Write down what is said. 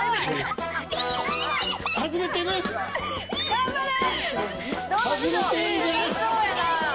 頑張れ！